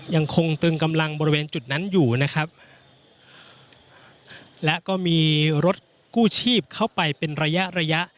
ยังคงตึงกำลังบริเวณจุดนั้นอยู่นะครับและก็มีรถกู้ชีพเข้าไปเป็นระยะระยะ